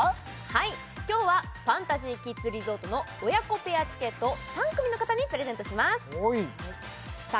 はい今日はファンタジーキッズリゾートの親子ペアチケットを３組の方にプレゼントしますさあ